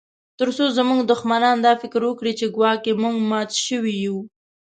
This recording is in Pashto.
ترڅو زموږ دښمنان دا فکر وکړي چې ګواکي موږ مات شوي یو